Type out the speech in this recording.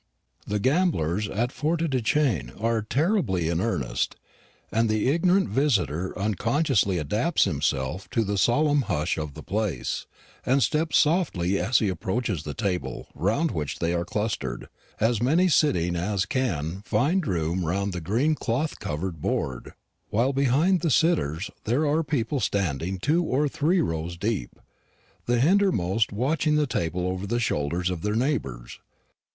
The gamblers at Forêtdechêne are terribly in earnest: and the ignorant visitor unconsciously adapts himself to the solemn hush of the place, and steps softly as he approaches the table round which they are clustered as many sitting as can find room round the green cloth covered board; while behind the sitters there are people standing two or three rows deep, the hindermost watching the table over the shoulders of their neighbours.